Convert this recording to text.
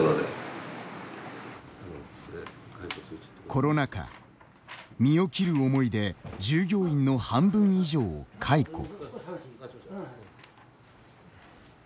コロナ禍、身を切る思いで従業員の半分以上を解雇。